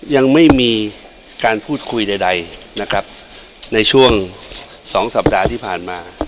ยังไม่มีการพูดคุยใดนะครับในช่วงสองสัปดาห์ที่ผ่านมา